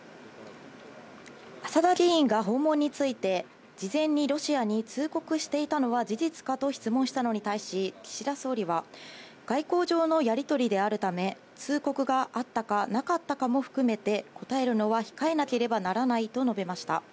浅田議員が訪問について、事前にロシアに通告していたのは事実かと質問したのに対し、岸田総理は、外交上のやり取りであるため、通告があったかなかったかも含めて、答えるのは控えなければならないと述べました。